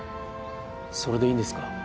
それでいいんですか？